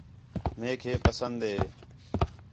میک ہے پسند ہے